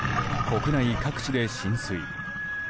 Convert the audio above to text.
国内各地で浸水。